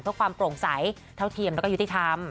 เพื่อความโปร่งใสเท่าเทียมแล้วก็ยุติธรรม